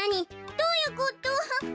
どういうこと？